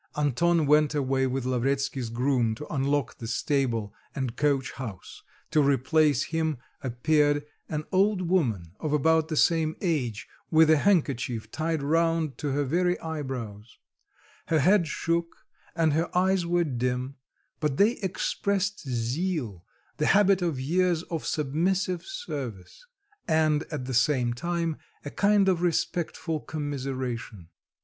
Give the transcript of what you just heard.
Anton went away with Lavretsky's groom to unlock the stable and coach house; to replace him appeared an old woman of about the same age, with a handkerchief tied round to her very eyebrows; her head shook, and her eyes were dim, but they expressed zeal, the habit of years of submissive service, and at the same time a kind of respectful commiseration.